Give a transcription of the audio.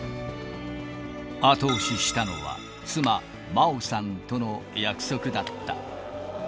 後押ししたのは、妻、麻央さんとの約束だった。